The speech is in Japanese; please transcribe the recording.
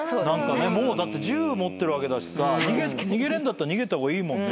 もう銃持ってるわけだしさ逃げられるんだったら逃げた方がいいもんね。